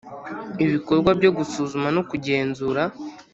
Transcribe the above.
Ibikorwa byo gusuzuma no kugenzura